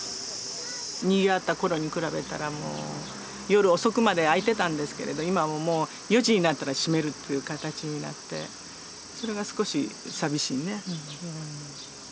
にぎわった頃に比べたらもう夜遅くまで開いてたんですけれど今はもう４時になったら閉めるっていう形になってそれが少し寂しいね。